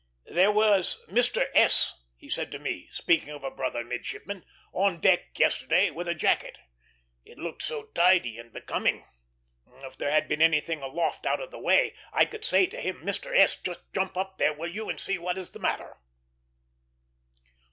"There was Mr. S.," he said to me, speaking of a brother midshipman, "on deck yesterday with a jacket. It looked so tidy and becoming. If there had been anything aloft out of the way, I could say to him, 'Mr. S., just jump up there, will you, and see what is the matter?'"